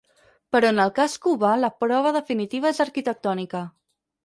Però en el cas cubà la prova definitiva és arquitectònica.